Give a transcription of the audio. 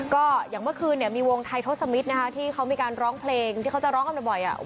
ก็อย่างเมื่อคืนมีวงไทโทสมิทที่เขามีการร้องเพลงที่เขาจะร้องกันบ่อย